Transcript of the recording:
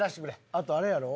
あとあれやろ？